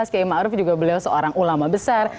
km arief juga beliau seorang ulama besar